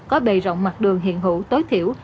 có bề rộng mặt đường hiện hữu tối thiểu